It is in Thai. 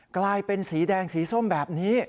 กลายเป็นสีแดงสีส้มแบบนี้